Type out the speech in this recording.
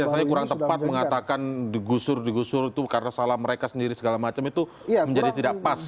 jadi rasanya kurang tepat mengatakan digusur digusur itu karena salah mereka sendiri segala macam itu menjadi tidak pas ya